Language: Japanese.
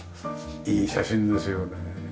いい写真ですよね。